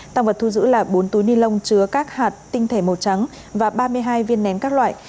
tăng vật thu giữ là bốn túi ni lông chứa các hạt tinh thể màu trắng và ba mươi hai viên nén các loại